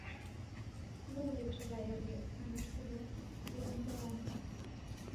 — Ну, Якшывай эрге, — манеш тудо Ерентелан.